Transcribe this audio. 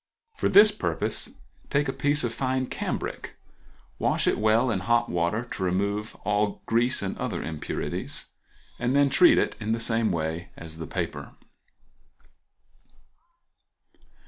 For this purpose take a piece of fine cambric, wash it well in hot water to remove all grease and other impurities, and then treat it in the same way as the paper.